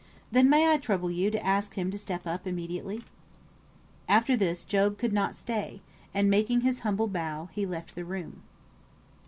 Then may I trouble you to ask him to step up immediately?" After this Job could not stay, and, making his humble bow, he left the room.